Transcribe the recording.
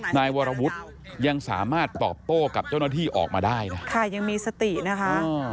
นายวรวุฒิยังสามารถตอบโต้กับเจ้าหน้าที่ออกมาได้นะค่ะยังมีสตินะคะ